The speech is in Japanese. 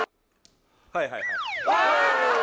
はいはいはいあっ！